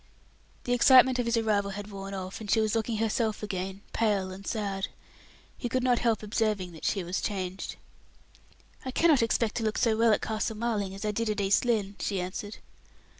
The excitement of his arrival had worn off, and she was looking herself again, pale and sad; he could not help observing that she was changed. "I cannot expect to look so well at Castle Marling as I did at East Lynne," she answered.